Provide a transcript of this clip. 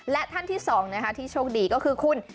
และท่านที่๒ที่โชคดีก็คือคุณ